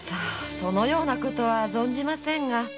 そのようなことは存じませんが。